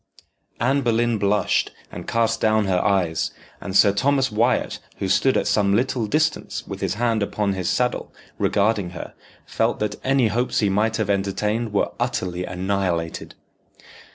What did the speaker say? Anne Boleyn blushed, and cast down her eyes, and Sir Thomas Wyat, who stood at some little distance with his hand upon his saddle, regarding her, felt that any hopes he might have entertained were utterly annihilated.